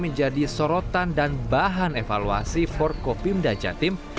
menjadi sorotan dan bahan evaluasi for covid sembilan belas jatim